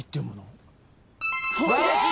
素晴らしい。